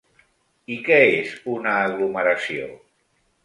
I què és una aglomeració?